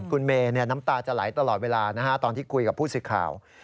คุณเมย์น้ำตาจะไหลตลอดเวลาตอนที่คุยกับผู้สื่อข่าว